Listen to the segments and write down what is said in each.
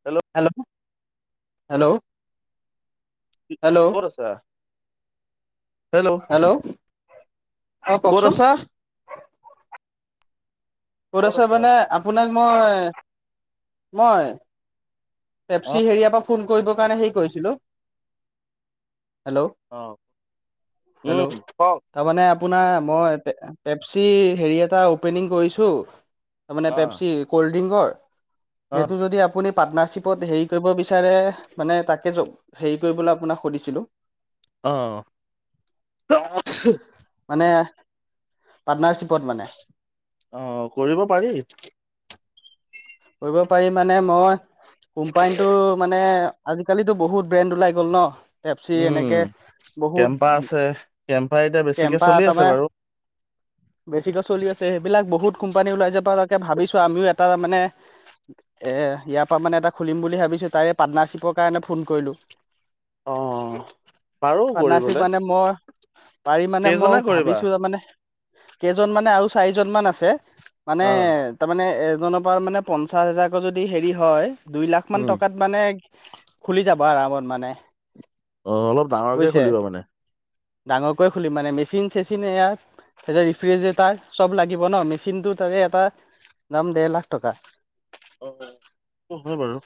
Hello. Hello hello hello. ক'ত আছা, hello অ ক'ত কওকচোন আছা? ক'ত আছে মানে আপোনাক মই, মই অ পেপচি হেৰিয়াৰ পৰা ফোন কৰিবৰ কাৰণে হেৰি কৰিছিলো, হেল্ল' অ', হেল্ল' উম, কওঁক। তাৰমানে আপোনাৰ মই পেপচিৰ হেৰি এটা অপেনিং কৰিছোঁ তাৰমানে অ পেপচি ক'লড্ৰিংকৰ, অ সেইটো যদি আপুনি পাৰ্টনাৰশ্বিপত হেৰি কৰিব বিচা চাৰে মানে তাকে য হেৰি কৰিবলৈ আপোনাক সুধিছিলো। অ'। মানে, পাৰ্টনাৰশ্বিপত মানে। অ', কৰিব পাৰি। কৰিব পাৰি মানে মই, কোম্পানীটো মানে আজিকালিতো বহুত ব্ৰেণ্ড ওলাই গ'ল ন'। পেপচি উম এনেকে কেম্পা আছে বহুত কেম্পা এতিয়া বেছিকে কেম্পা চলি আছে তাৰমানে বাৰু বেছিকে চলি আছে সেইবিলাক বহুত কোম্পানী ওলাই যোৱাপা তাকে ভাবিছোঁ আমিও এটা মানে এ ইয়াৰ পৰা মানে এটা খুলিম বুলি ভাবিছো তাৰে পাৰ্টনাৰশ্বিপৰ কাৰণে ফোন কৰিলোঁ। অ পাৰো কৰিবলে পাৰ্টনাৰশ্বিপ মানে মই পাৰি মানে কেইজনে মই কৰিবা ভাবিছো তাৰ মমানে কেইজন মানে আৰু চাৰিজন মান আছে, অ মানে তাৰমানানে এজনৰ পৰা মানে পঞ্চাশ হাজাৰকৈ যদি হেৰি হয় দুই লাখ মান উম টকাত মানে খুলি যাব আৰামত মানে। অ', অলপ ডাঙৰকে বুজিছে খুলিবা মানে। ডাঙৰকৈ খুলিম মানে মেচিন চেচিনে এয়া তাৰপিছত ৰিফ্ৰিজৰেটাৰ চব লাগিব ন', মেচিনটো ধৰি এটা দাম দেৰ লাখ টকা। সেটো হয় বাৰু।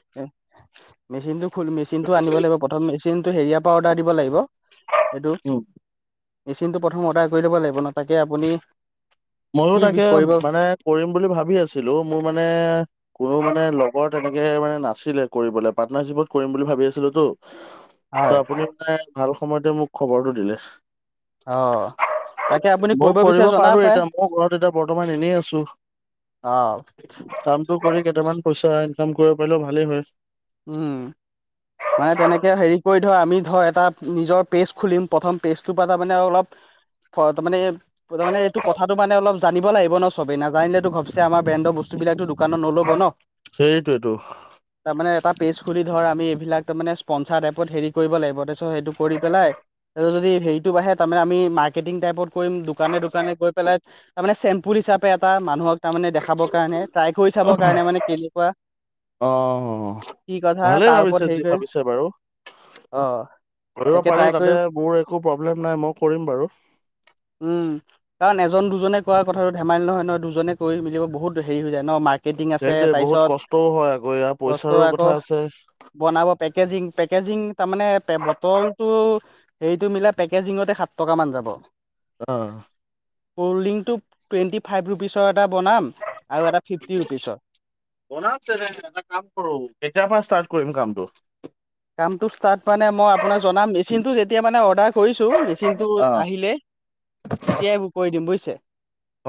মেচিনটো খুল মেচিনটো আনিব লাগিব প্ৰথম মেচিনটো হেৰিয়াৰ পৰা অৰ্ডাৰ দিব লাগিব এইটো উম মেচিনটো প্ৰথম অৰ্ডাৰ কৰি ল'ব লাগিব ন', তাকে আপুনি ময়ো কি তাকে কৰিব মানে কৰিম বুলি ভাবি আছিলো মোৰ মানে মোৰ মানে লগৰ তেনেকে মানে নাছিলে কৰিবলৈ, পাৰ্টনাৰশ্বিপত কৰিম বুলি ভাবি আছিলোতো। ত' হয় আপুনি মানে ভাল সময়তে মোক খবৰটো দিলে। অ', তাকে আপুনি ময়ো কৰিব বিচাৰে পাৰো জনাব পাৰে। এতিয়া ময়ো ঘৰত এতিয়া বৰ্তমান এনেই আছো। অ কামটো কৰি কেইটামান পইচা ইনকাম কৰিব পাৰিলেও ভালেই হয়। উম। মানে তেনেকে হেৰি কৰি ধৰ আমি ধ এটা নিজৰ পেজ খুলিম প্ৰথম পেজটোৰ পৰা তাৰমানে অলপ ফ তাৰমানে তাৰ মানে এইটো কথাটো মানে অলপ জানিব লাগিব ন' চবেই নাজানিলেতো ঘপছে আমাৰ ব্ৰেণ্ডৰ বস্তুবিলাকতো দোকানত নল'ব ন'। সেইটোৱেতো। তাৰ মানে এটা পেজ খুলি ধৰ আমি এইবিলাক তাৰমানে স্পনচাৰ টাইপত হেৰি কৰিব লাগিব তাৰপিছত সেইটো কৰি পেলাই ত যদি হেৰিটো বাঢ়ে তাৰমানে আমি মাৰ্কেটিং টাইপত কৰিম দোকানে দোকানে গৈ পেলাই তাৰমানে চেম্পুল হিচাপে এটা মানুহক তাৰমানে দেখাবৰ কাৰণে ট্ৰাই কৰি চাবৰ কাৰণে মানে কেনেকুৱা। অ', কি কথা ভালেই তাৰ ওপৰত ভাবিছে যি হেৰি কৰি ভাবিছা। অ' তাকে পাৰি ট্ৰাই কৰি তাতে মোৰ একো প্ৰব্লেম নাই মই কৰিম বাৰু উম, কাৰণ এজন দুজনে ক কথাটো ধেমালি নহয়, নহয়, দুজনেৈ মিলিব বহুত হেৰি হৈ যায় ন ম সেইটোয়ে বহুত কষ্টও হয়, আকৌ ইাৰ বস্ত পইচাৰো আকৌ কথা আছে বনাব পেকেজিং পেকেজিং তাৰ মমানে বটলটো এইটো মিলা পেকেজিঙতে সাত টকা মান যাব অ কল ড্ৰিংকটো টুৱেন্টি ফাইভ ৰুপিচৰ এটা বনাম আৰু এটা ফিফটি ৰুপিছ হয় বছে এটা কাম কৰো কেতিয়া পা ষ্টাৰ্ট কৰম কামটো [unintelligible] কামটো ষ্টাৰ্ট মানে মই আপোনাক জনাম, মেচিনটো যেতিয়া মানে অৰ্ডাৰ কৰিছোঁ মেচিনটো অ আহিলে তেতিয় এইবোৰ কৰি দিম বুজিছে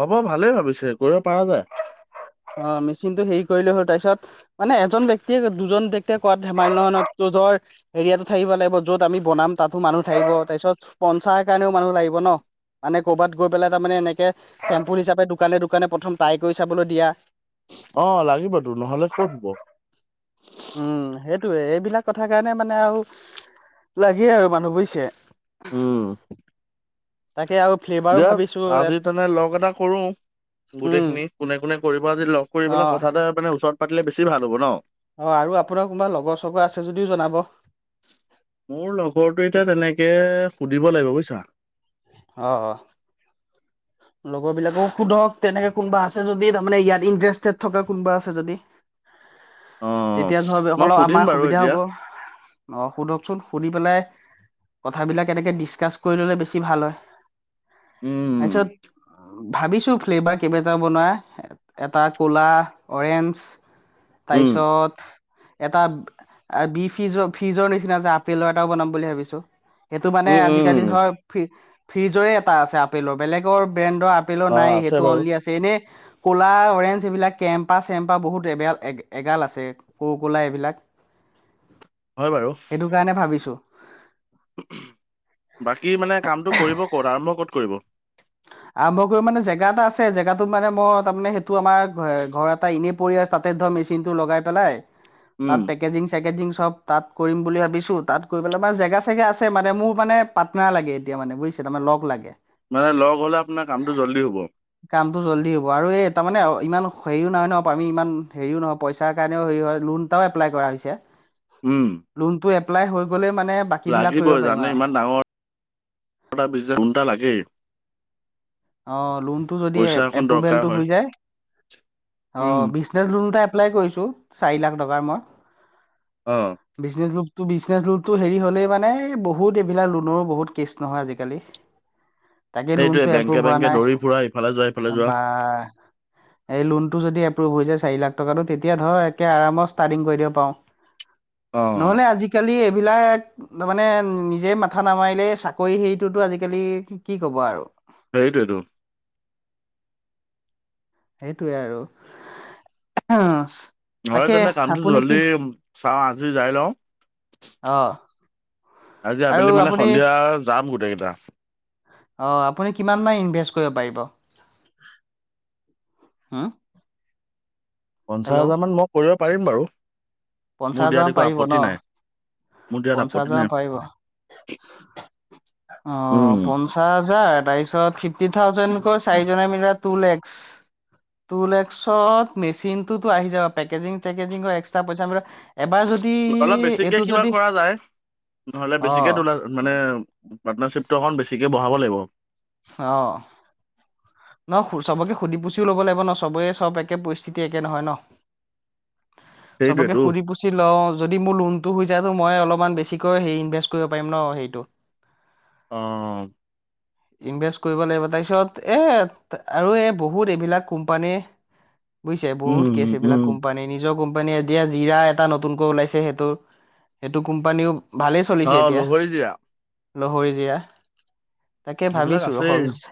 হ'ব ভালেই ভাবিছে কৰিব পাৰ যায় অ', মেচিন টো হেৰি কৰিলে হ'ল তাৰপিছত মানে, এজন ব্যক্তিয়ে দুজন ব্যক্তিয়ে কাত হেমালয়ত ধৰ হেৰিয়াতো থাকিব লাগিব, য'ত আমি বনাম তাতো মানুহ থাকিব তাৰপিছত পঞ্চায়ৰ কাৰণেও মানুহ লাগিব ন মানে ক'ৰবাত গৈ পেলাই তাৰ মমানে এনেকে চেম্পু হিচাপে দোকানে দোকানে প্ৰথম ট্ৰাই কৰি চাবলৈ দিয়া অ', লাগিবতো নহলে কত হব উম, সেইটয়ে এইবিলাক কথা কাৰণে মানে আৰু লাগেই আৰু মানুহ বছে উ তাকে আ ফ দিয়া আজি তেনে লগ এটা কৰো উম। গোটেইখিনি কোনে কোনে কৰিব যদি লগ কৰি পেলাই অ', কথা এ মানে ওচৰত পাতিলে বেছি ভাল হব ন অ', ৰু আপোনাৰ কোনোবা লগৰ চগৰ আছে যদিও জনাব মোৰ লগৰটো এতিয়া তেনেকৈ সুধিব লাগিব বুজিছা অ', লগৰবিলাককো সোধক, তেনেকে কোনবা আছে যদি তাৰমানে ইয়াত ইণ্টাৰেষ্টেড থকা কোনোবা আছে যদি অ তেতিয়া ধৰ মই অকল সুধিম আমাৰ বাৰু সুবিধা এতিয়া হ'ব অ', সোধকচোন সুধি পেলাই কথাবিলাক এনেকৈ ডিছকাছ কৰি ল'লে বেছি ভাল হয় উম, তাৰপিছত ভাবিছো ফ্লেভাৰ কেইবাটাও বনোৱা এটা ক'লা অৰেঞ্জ উম তাৰপিছত এটা বি ফিজৰ ফ্ৰিজৰ নিচিনা যে আপেলৰ এটাও বনাম বুলি ভাবিছো সেইটো মানে উম আজিকালি উম ধৰ, ফ্ৰিজৰে এটা আছে আপেলৰ বেলেগৰ ব্ৰেণ্ডৰ প অ নাই আছে বাৰু সেইটোলি এনেই ক'লা অৰেঞ্জ এইবিলাক কেম্পা চেম্পা বহুত এবাল এ এগাল আছে কো এইবিলাক হয় বাৰু সেইটো কাৰণে ভাবিছো বাকী মানে কামটো কৰিব ক'ত আৰম্ভ ক'ত কৰিব আৰম্ভ কৰি মানে জেগা এটা আছে জেগাটো মানে মই তাৰমানে সেইটো আমাৰ ঘ এটা এনেই উম [unintelligible] পেকেজিং চেকেজিং চব তাত কৰিম বুলি ভাবিছোঁ তাত কৰি পেলাই মানে জেগা চেগা আছে মানে মোৰ মানে পাট্নাৰ লাগে, এতিয়ানে বুজিছ তাৰমাৰ লগ লাগে মানে লগ হলে আপোনাৰ কামটো জল্দি হ'ব কামত জল্দি হব, আৰু এই তাৰমানে অ ইমান হেৰিও নহয় নহয় আমি ইমান হেৰিও নহ পইচাৰ কাৰণেও হেৰি হয় লোন এটাও এপ্লাই কৰা হৈছে উম, লোন টো এপ্লাই হৈ গলে মানে বা লাগিবই জানে ইমান ডাঙৰটা বি ঘন্টা লাগেই অ, লোনটো যদি পইচা এখন দৰকাৰ এপ্ৰোভেলটো হয় হৈ যায় অ উম বিশ লোন এটা এপ্লাই কৰিছোঁ চাৰি লাখ টকাৰ মই। অঁ। বিজনেছ লোনটো বিজনেছ লোনটো হেৰি হ'লেই মানে বহুত এইবিলাক লোনৰো বহুত কেছ নহয় আজিকালি। তাকে সেইটোৱে লোনটো বেংকে এপ্ৰোভ হোৱা বেংকে নাই দৌৰি ফুৰা ইফালে যোৱা ইফালে যোৱা বা। এই লোনটো যদি এপ্ৰুভ হৈ যায় চাৰি লাখ টকাটো তেতিয়া ধৰ একে আৰামত ষ্টাৰ্টিং কৰি দিব পাৰো। [unintelligible] নহ'লে আজিকালি এইবিলাক তাৰ মানে নিজে মাথা নামাৰিলে চাকৰি হেৰিটোতো আজিকালি কি ক'ব আৰু। সেইটোৱেইটো। সেইটোৱে আৰু। হয় তাকে তেনে কামটো আপুনি কি জল্দি চাওঁ আজি যাই লওঁ। অ' আজি আৰু আবেলি মানে আপুনি সন্ধিয়া যাম গোটেই কেইটা। অ' আপুনি কিমান মান ইনভেষ্ট কৰিব পাৰিব হু? পঞ্চাশ হাজাৰ মান মই কৰিব পাৰিম বাৰু। পঞ্চাছ মোৰ দিয়াত হাজাৰ একো পাৰিব ন আপত্তি নাই মোৰ দিয়াত পঞ্চাছ আপত্তি হাজাৰ নাই পাৰিব। অ' পন উম পঞ্চাছ হাজাৰ তাৰপিছত ফিফটি থাউজেণ্ডকৈ চাৰিজনে মিলাই টু লেক্স। টু লেক্সত মেচিন টোতো আহি যাব, পেকেজিং চেকেজিং এক্সট্ৰা পইচা এবাৰ যদি নহ অলপ বেছিকে এইটো কিবা যদি কৰা যায়, নহলে অ বেছিকে টোলা তোত মানে পাৰ্টনাৰশ্বিপটো অকণ বেছিকৈ বঢ়াব লাগিব। অ'। ন চবকে সুধি পুচিও ল'ব লাগিব ন চবে চব একে পৰিস্থিতি একে নহয় ন? চবকে সেইটোৱেতো সুধি পুছ ছি লওঁ, যদি মোৰ লোনটো হৈ যায়তো মই অলপমান বেছিকৈ হে ইনভেষ্ট কৰিব পাৰিম ন সেইটো। অঁ। ইনভেষ্ট কৰিব লাগিব, তাৰপিছত এ আৰু এই বহুত এইবিলাক কোম্পানীৰ বুজিছে, বহুত উম কেছ উম এইবিলাক উম। কোম্পানী নিজৰ কোম্পানীয়ে এতিয়া জিৰা এটা নতুনকৈ ওলাইছে সেইটো সেইটো কোম্পানীও ভালেই চলিছে অ এতিয়া লহৰি জিৰা লহৰি জিৰা। কে সেইবিলাক ভাবিছো আছেই ৰসক,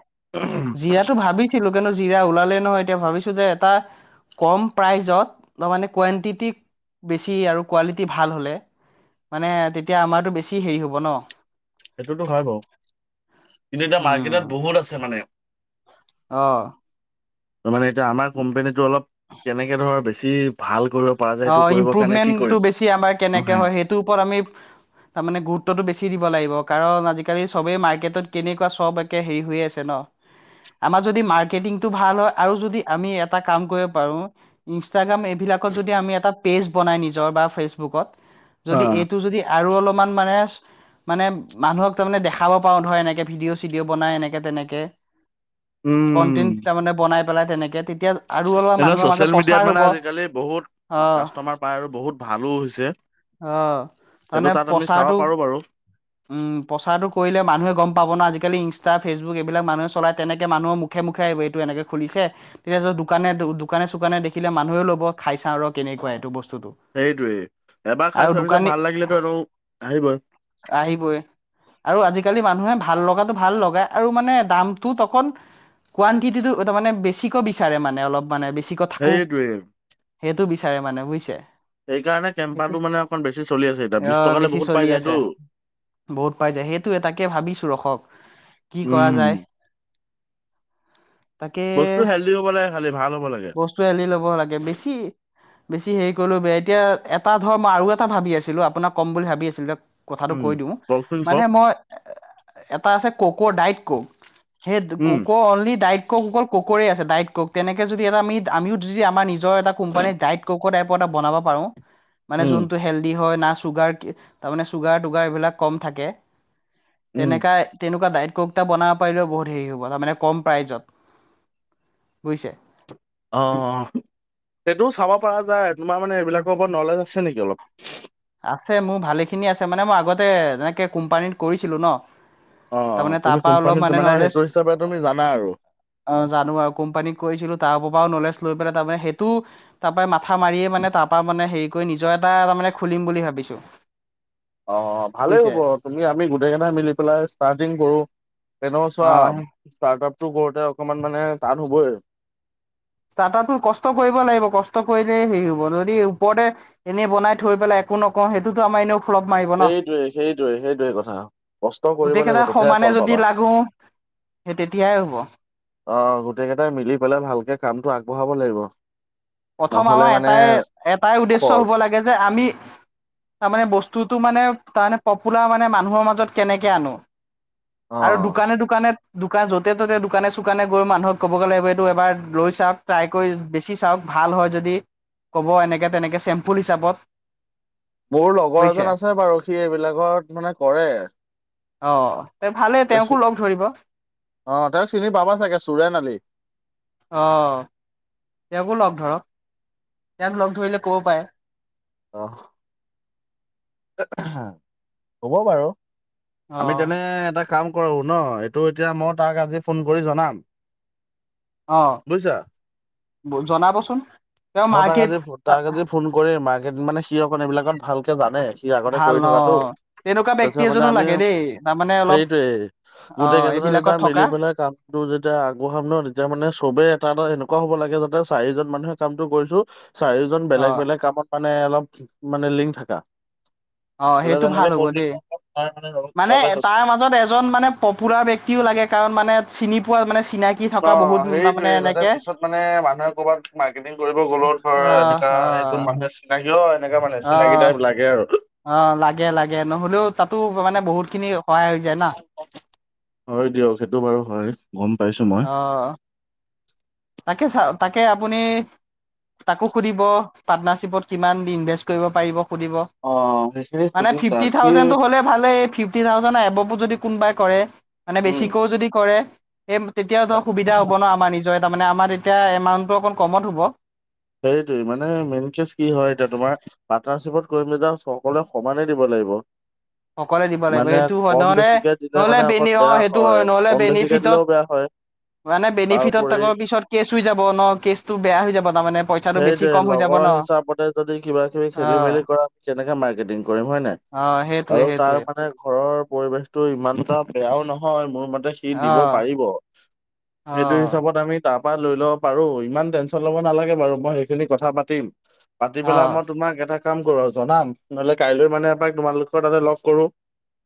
জীৰাতো ভাবি ছিলো কাৰনে জিৰা ওলালে নহয় এতিয়া ভাবিছো যে, এটা কম প্ৰাইজত তাৰমানে কুৱণ্টিটি বেছি আৰু কোৱালিটি ভাল হ'লে মানে তেতিয়া আমাৰতো বেছি হেৰি হ'ব ন। সেইটোতো হয় বাৰু, কিন্তু এতিয়া উম মাৰ্কেটত বহুত আছে মানে। অ'। ত মানে এতিয়া আমাৰ কোম্পেনীটো অলপ কেনেকৈ ধৰ বেছি ভাল কৰিব পৰা যায় সেইটো অ' কৰিবৰ কাৰণে কি ইম্প্ৰুভমেন্টটো কৰিম বেছি আমাৰ কেনেকে হয়, সেইটোৰ ওপৰত আমি তাৰ মানে গুৰুত্বতটো বেছি দিব লাগিব, কাৰণ আজিকালি চবেই মাৰ্কেটত কেনেকুৱা চব কে হেৰি হৈয়ে আছে ন। আমাৰ যদি মাৰ্কেটিংটো ভাল হয়, আৰু যদি আমি এটা কাম কৰিব পাৰো ইনষ্টাগ্ৰাম এইবিলাকত যদি আমি এটা পেজ বনাই নিজৰ বা ফেচবুকত, যদি অ', এইটো য আৰু অলপমান মানে মানে মানুহক তাৰমানে দেখাব পাৰওঁ ধৰ এনেকে ভিডিঅ' চিডিঅ' বনাই এনেকে তেনেকে কনটেন তাৰমানে বনাই পেলাই তেনেকে তেতিয়া আৰু অলপ এনেও মানুহৰ মাজত ছচিয়েল মিডিয়াত প্ৰচাৰ মানে হ'ব অ আজিকালি বহুত কাষ্টমাৰ পায় আৰু বহুত ভালো হৈছে, অ সেইটো তাৰমানে তাত আমি চাব প্ৰচাৰটো পাৰোঁ বাৰু। উম প্ৰচাৰটো কৰিলে মানুহে গ'ম পাব না, আজিকালি ইনষ্টা ফেচবুক এইবিলাক মানুহে চলাই তেনেকৈ মানুহৰ মুখ এইটো এনেকে খুলিছে, তেতিয়াত দোকানে দোকান চোকানে দেখিলে মানুহে ল'ব। খাই চাওঁ ৰ কেনেকুৱা এইটো বস্তুটো। সেইটোৱে এবাৰ আৰু খাই চোৱাৰ পিছত দোকানী ভাল লাগিলেতো আৰু আহিবই। আহিবই। আৰু আজিকালি মানুহে ভাল লগাতটো ভাল লগাই আৰু মানে দামটোত অকণ কুৱানটিটিটো তাৰ মানে বেছিকৈ বিচাৰে মানে অলপ মানে বেছি সেইটোৱেই। সেইটো বিচাৰে মানে বুজিছে। সেইকাৰণে এতিয়া কেম্পাটো মানে অকণ বেছি চলি আছে এতিয়া অ বিশ টকাতে বেছি বহুত চলি পাই আছে যায়তো। বহুত পাই যায়, সেইটো এ তাকে ভাবিছো ৰখক কি কৰা উম, যায়। তাকে বস্তু হেল্ডি হ'ব লাগে খালি ভাল হ'ব লাগে, বস্তু এলি ল'ব লাগে বেছি বেছি হেৰি কৰিলো বেয়া, এতিয়া এটা ধৰ আৰু এটা ভাবি আছিলো আপোনাক কম বুলি ভাবি আছিলো কথাটো উম, কৈ দিওঁ কওকচোন মানে কওক, মই এটা আছে ককৰ ডাইট কক। সেই উম, কক অললি দায়িত কক ককৰে আছে ডাইট কক। তেনেকে যদি এটা আমি আমিও যদি আমাৰ নিজৰ এটা কোম্পানীৰ ডাইট কওক বনাব পাৰো। মানে উম, যোনটো হেল্ডি হয় না চুগাৰ তাৰমানে চুগাৰ টুগাৰ এইবিলাক কম থাকে, উম, তেনেকা তেনেকুৱা ডায়ট কক এটা বনাব পাৰিলেও বহুত হেৰি হ'ব তাৰমানে কম প্ৰাইজত। বুজিছে? অ সেইটোও চাব পৰা যায়, তোমাৰ মানে এইবিলাকৰ ওপৰত নলেজ আছে নেকি অলপ। আছে মোৰ ভালেখিনি আছে, মানে মই আগতে এনেকে কোম্পানীত কৰিছিলো ন। অ তাৰমানে তুমি তাৰপৰা অলপ কোম্পানীত মানে সেইটো নলেজ হিচাপে তুমি জানা আৰু। অ জানো আৰু কোম্পানীক কৈছিলো তাৰ পৰাও নলেজ লৈ পেলাই তাৰে সেইটো তাৰ পৰা মাথা মাৰিয়ে মানে তাৰ পৰা মানে হেৰি কৰি নিজৰ এটা তাৰ মে খুলিম বুলি ভাবিছোঁ। অ ভালেই হ'ব, তুমি আমি গোটেই কেইটাই মিলি পেলাই ষ্টাৰ্টিং কৰো। তেনেকুৱা অ চোৱা ষ্টাৰ্ট আপ টো কৰতে অকমান মানে টান হবই ষ্টাৰ্টআপটো কষ্ট কৰিব লাগিব, কষ্ট কৰিলে হেৰি হ'ব। যদি ওপৰতে এনেই বনাই থৈ পেলাই একো নকওঁ সেইটোতো আমাৰ এনেও ফ্লপ মাৰিব ন। সেইটোৱে সেইটোৱে সেইটোৱে কথা। কষ্ট কৰিব গোটেই লাগিব কেইটা তেতিয়াহে সমানে ফল যদি পাবা লাগো সেই তেতিয়াই হ'ব। অ গোটেই কেইটাই মিলি পেলাই ভালকে কামটো আগবঢ়াব লাগিব। প্ৰথম নহ'লে আমাৰ মানে এটাই এটাই উদ্দেশ্য খৰ হ'ব লাগে যে আমি তাৰ মানে বস্তুতটো মানে তাৰমানে পপুলাৰ মানে মানুহৰ মাজত কেনেকে আনো। অ', দোকানে দা দোকানে দোকান যতে ত'তে দোকানে চুকানে গৈ মানুহক ক'বগে লাগিব এইটো এবাৰ লৈ চাওক ট্ৰাই কৰি বেছি চাওক। ভাল হয় যদি, ক'ব এনেকৈ-তেনেকৈ চেম্পুল হিচাপত। মোৰ লগৰ বুজিছে এজন আছে বাৰু সি এইবিলাকত মানে কৰে। অ। তে ভালে তেওঁকো লগ ধৰিব অ তেওঁক চিনি পাবা চাগে চুৰেন আলি। অ। তেওঁকো লগ ধৰ। ইয়াক লগ ধৰিলে কব পাৰে। [inaudible] হ'ব বাৰু অ আমি তেনে এটা কাম কৰো ন, এইটো এতিয়া মই তাক আজি ফোন কৰি জনাম। অ বুজিছা। জনাবচোন, তেওঁ মই তাক আজি মাৰ্কেট তাক আজি ফোন কৰি মাৰ্কেট মানে সি অক এইবিলাকত ভালকে জানে। সি আগতে ভাল কৰি অ থকাাতটো, তেনেকুৱা ব্যক্তি তাৰপিছত মানে এজনো আমি লাগে দেই তাৰমানে অলপ সেইটোৱেই। অ গোটেই কেইদনা যেটা এইবিলাকত মিলি থকা পেলাই কাম যেতিয়া আগবঢ়াম ন তেতিয়া মানে চবে এটা এটা এনেকুৱা হ'ব লাগে যাতে চাৰিজন মানুহে কামটো কৰিছো চাৰিজন অ বেলেগ বেলেগ কামত মানে অলপ মানে লিংক থাকা। অ তেতিয়া সেইটো ভাল যেনেকে হ'ব কল্ড দেই মানে ড্ৰিংকচ আছে তাৰ মাজত এজন মানে পপুলাৰ ব্যক্তিও লাগে কাৰণ মানে চিনি পোৱা মানে চিনাকি ন থকা বহুত তাৰমানে হেৰিতয়ে যাতে এনেকে পিছত মানে মানুহে ক'ৰবাত মাৰ্কেটিং কৰিব গ'লেও ধৰ অ', এনেককাা অ', এইণ মানুহ আ চিনাকি অ এনেককাা মানে চিনাকি অ', টাইপ লাগে আৰু অ লাগে লাগে নহ'লেও তাতো মানে বহুত খিনি সহায় হৈ যায় না হয় দিয়ক সেইটো বাৰু হয় গম পাইছো মই। অ তাকে চা তাকে আপুনি তাকো সুধিব পাৰ্টনাৰশ্বিপত কিমান দি ইনভেষ্ট কৰিব পাৰিব সুধিব অ সেইখিনি সুধিম তখি ভালে এই ফিফটি থাউজে এবভো যদি কোনোবাই কৰে মানে উম। বেছিকৈও যদি কৰে এ তেতিয়াও ধৰ সুবিধা হ'ব ন আমাৰ নিজৰ তাৰানে আমাৰ তেতিয়া এমাউণ্টটো অকণ কমত হ'ব সেৰিটোৱে মানে মেইন কেচ কি হয় এতিয়া তোমাৰ পাৰ্টনাৰশ্বিপত কৰি মেলা সকলোৱে সমানে দিব লাগিব সকোৱলে দিব লাগিব মানে সেইটো হয় কম নহলে বেছিকে দিলে নহলে মানে অকণ বনি অ বেয়া সেইটো হয় নহলে কম বেছিকে বেনিফিটত দিলেও বেয়া হয়। মানে বেনিফিটত তাৰউপৰি তাকৰ পিছত কেচ হৈ যাব ন কেচটো বেয়া হৈ যাব তাৰমানে পইচাটো বেছি সেইটোয়ে কম হৈ যাব লগৰৰ ন হিচাপতে যদি কিবা কিবি অ খেলি মেলি কৰা কেনেকে মাৰ্কেটিং কৰিম হয় নাই অ সেই আৰু তাৰ মানে ঘৰৰ পৰিৱেশতটো ইমানটা বেয়াও নহয় মোৰ মতে কি অ দিব পাৰিব অ সেইটো হিচাপত আমি তাৰ পৰা লৈ ল'ব পাৰো ইমান টেনশ্যন ল'ব নালাগে বাৰু মই সেইখিনি কথা পাতিম পাতি অ পেলাই মই তোমাক এটা কাম কৰো আৰু জনাম নহ'লে কাইলৈ মানে এবাক তোমালোকৰ তাতে লগ কৰো